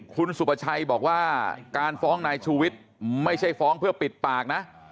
คุณสุประชัยบอกว่าการฟ้องนายชูวิทย์ไม่ใช่ฟ้องเพื่อปิดปากนะ